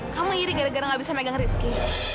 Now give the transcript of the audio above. kamu ini gara gara nggak bisa megang rizky